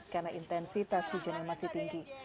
karena intensitas hujan yang masih tinggi